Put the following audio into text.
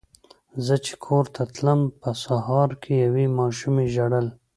زه چې کور ته تلم په لاره کې یوې ماشومې ژړل.